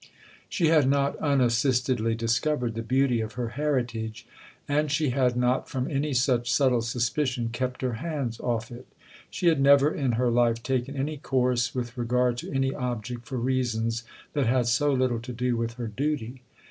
She had not unassistedly discovered the beauty of her heritage, and she had not from any such subtle suspicion kept her hands off it. She had never in her life taken any course with regard to any object for reasons that had so little to do with her duty.